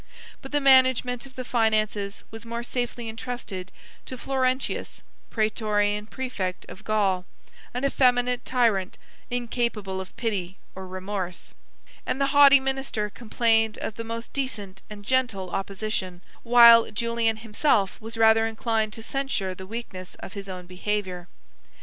But the management of the finances was more safely intrusted to Florentius, prætorian præfect of Gaul, an effeminate tyrant, incapable of pity or remorse: and the haughty minister complained of the most decent and gentle opposition, while Julian himself was rather inclined to censure the weakness of his own behavior.